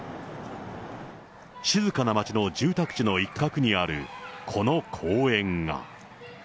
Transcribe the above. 静かな町の住宅地の一角にあるこの公園が。